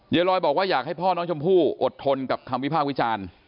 ลอยบอกว่าอยากให้พ่อน้องชมพู่อดทนกับคำวิพากษ์วิจารณ์